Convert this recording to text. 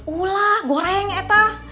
ulah goreng ee teh